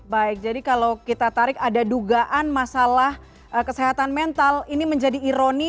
baik jadi kalau kita tarik ada dugaan masalah kesehatan mental ini menjadi ironi